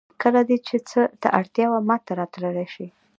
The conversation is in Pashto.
کله چې دې څه ته اړتیا وه ماته راتللی شې